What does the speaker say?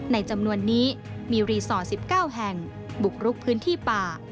ในจำนวนนี้มีรีสอร์ท๑๙แห่งบุกรุกพื้นที่ป่า